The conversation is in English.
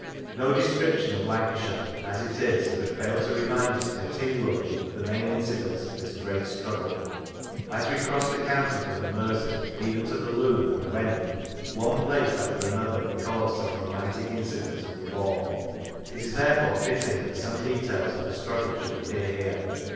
No description of Lancashire as it is could fail to remind us continually of the main incidents of this great struggle; as we cross the county from the Mersey even to the Lune and the Wenning, one place after another recalls some romantic incident of the war; it is therefore fitting that some details of the struggle should appear here.